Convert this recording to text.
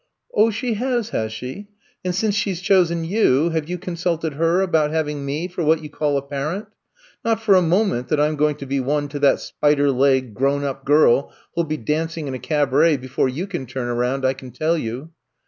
'' "Oh, she has, has she — and since she 's chosen you, have you consulted her about having me for what you call a parent? Not for a moment that I 'm going to be I'VE COME TO STAY 61 one to that spider legged, grown up girl, who '11 be dancing in a cabaret before yon can turn around, I can tell you."